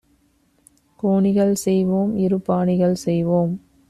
கோணிகள்செய் வோம் இரும் பாணிகள் செய்வோம்